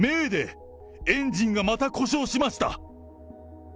エンジンがまた故障しました。